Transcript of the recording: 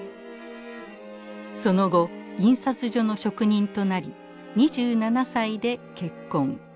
その後印刷所の職人となり２７歳で結婚。